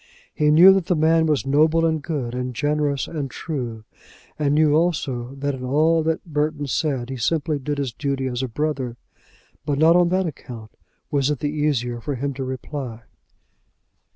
He knew that the man was noble, and good, and generous, and true; and knew also that in all that Burton said he simply did his duty as a brother. But not on that account was it the easier for him to reply.